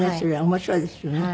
面白いですよね。